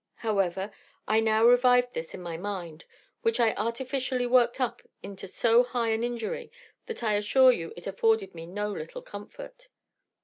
However, I now revived this in my mind, which I artificially worked up into so high an injury, that I assure you it afforded me no little comfort.